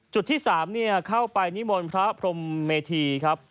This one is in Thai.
จุดที่๓เข้าไปนิมนต์พระพรมเมธีครับ